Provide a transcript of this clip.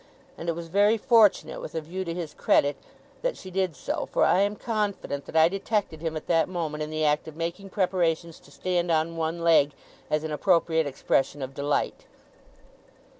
And it was very fortunate, with a view to his credit, that she did so; for I am confident that I detected him at that moment in the act of making preparations to stand on one leg, as an appropriate expression of delight.